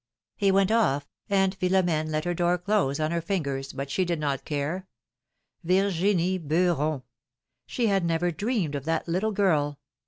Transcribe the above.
He went off, and Philomene let her door close on her fingers, but she did not care. Virginie Beuron ! She had never dreamed of that little girl.